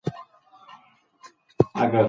زده کړه د خنډونو پرته د پرمختګ لپاره اساس دی.